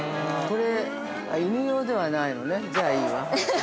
◆これ犬用ではないのねじゃあ、いいわ。